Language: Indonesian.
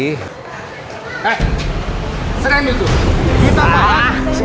eh serangin tuh